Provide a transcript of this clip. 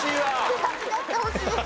悔しがってほしい。